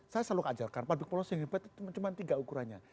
saya selalu mengajarkan public policy cuma tiga ukurannya